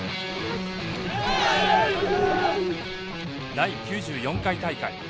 第９４回大会。